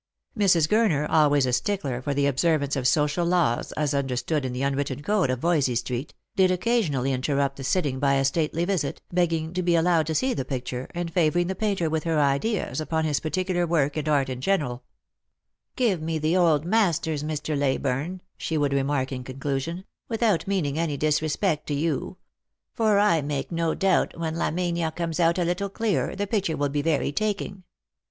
Mrs. Gurner, always a stickler for the observance of social laws as understood in the unwritten code of Voysey street, did occasionally interrupt the sitting by a stately visit, begging to be allowed to see the picture, and favouring the painter with her ideas upon his particular work, and art in general. 76 Lost for Love. " Give me the old masters, Mr. Leyburne," she would remark in conclusion, " without meaning any disrepect to you ; for I make no doubt when Laminia comes out a little clearer, the picture will be very taking.